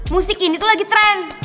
musik ini tuh lagi tren